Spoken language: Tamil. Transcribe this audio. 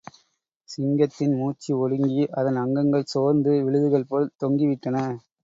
சிங்கத்தின் மூச்சு ஒடுங்கி, அதன் அங்கங்கள் சோர்ந்து, விழுதுகள் போல் தொங்கிவிட்டன!